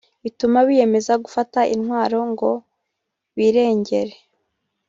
bituma biyemeza gufata intwaro ngo birengere